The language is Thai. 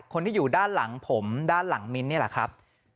คนที่อยู่ด้านหลังผมด้านหลังมิ้นท์นี่แหละครับ